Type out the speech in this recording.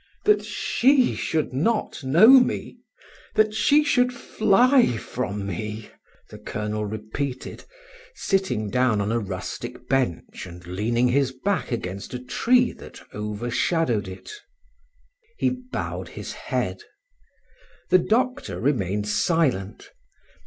"That she should not know me; that she should fly from me!" the colonel repeated, sitting down on a rustic bench and leaning his back against a tree that overshadowed it. He bowed his head. The doctor remained silent.